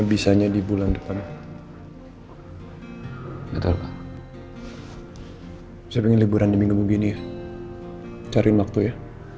bisanya di bulan depan betul saya pilih liburan di minggu gini cari waktu ya